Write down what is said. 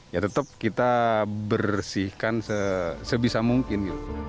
ya tetap kita bersihkan sebisa mungkin gitu